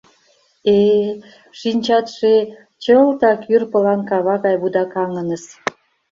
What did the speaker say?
— Э-э, шинчатше чылтак йӱр пылан кава гай вудакаҥыныс!